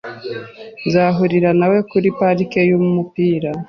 Nzahurira nawe kuri parike yumupira.